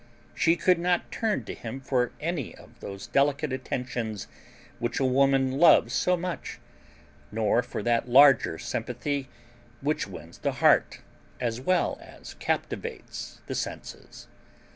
She could not turn to him for any of those delicate attentions which a woman loves so much, nor for that larger sympathy which wins the heart as well as captivates the senses.